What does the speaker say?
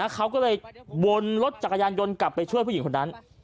เขาก็เลยวนรถจักรยานยนต์กลับไปช่วยผู้หญิงคนนั้น